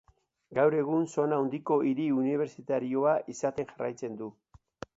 Gaur egun sona handiko hiri unibertsitarioa izaten jarraitzen du.